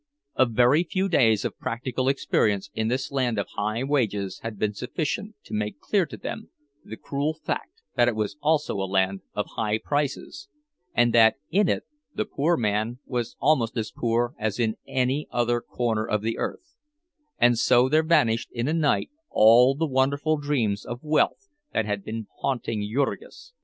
A very few days of practical experience in this land of high wages had been sufficient to make clear to them the cruel fact that it was also a land of high prices, and that in it the poor man was almost as poor as in any other corner of the earth; and so there vanished in a night all the wonderful dreams of wealth that had been haunting Jurgis.